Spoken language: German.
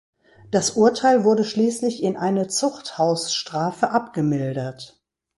Das Urteil wurde schließlich in eine Zuchthausstrafe abgemildert.